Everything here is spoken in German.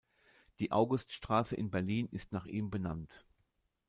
Die Auguststraße in Berlin ist nach ihm benannt.